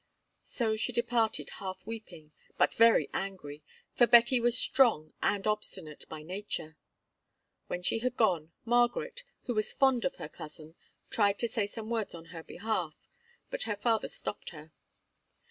So she departed half weeping, but very angry, for Betty was strong and obstinate by nature. When she had gone, Margaret, who was fond of her cousin, tried to say some words on her behalf; but her father stopped her.